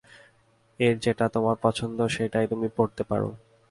এর যেটা তোমার পছন্দ সেইটেই তুমি পরতে পারো।